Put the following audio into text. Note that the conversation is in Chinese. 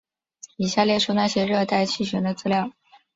以下列出那些热带气旋的资料。